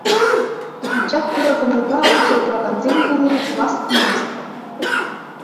Анчах ырӑ кӑмӑлпа усӑ куракансен кулли пулас килмест...